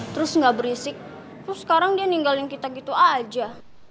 terus sekarang dia ninggalin kita gitu aja